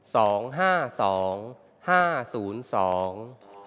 สองห้าสองห้าศูนย์สอง